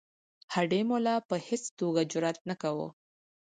هډې ملا په هیڅ توګه جرأت نه کاوه.